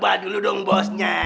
siapa dulu dong bosnya